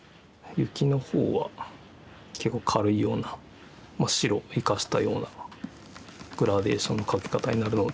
雪の方は結構軽いような白を生かしたようなグラデーションのかけ方になるので。